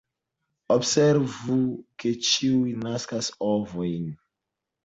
Observu ke ĉiuj naskas ovojn.